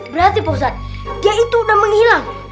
berarti pak ustadz dia itu udah menghilang